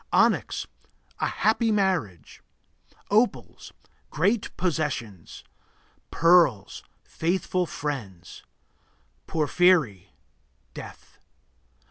Onyx A happy marriage. Opals Great possessions. Pearls Faithful friends. Porphyry Death.